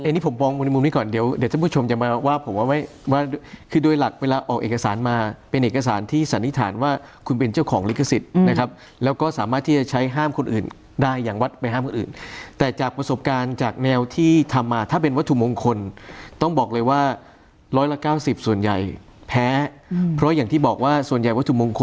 อันนี้ผมมองในมุมนี้ก่อนเดี๋ยวเดี๋ยวท่านผู้ชมจะมาว่าผมว่าคือโดยหลักเวลาออกเอกสารมาเป็นเอกสารที่สันนิษฐานว่าคุณเป็นเจ้าของลิขสิทธิ์นะครับแล้วก็สามารถที่จะใช้ห้ามคนอื่นได้อย่างวัดไปห้ามคนอื่นแต่จากประสบการณ์จากแนวที่ทำมาถ้าเป็นวัตถุมงคลต้องบอกเลยว่าร้อยละเก้าสิบส่วนใหญ่แพ้เพราะอย่างที่บอกว่าส่วนใหญ่วัตถุมงคล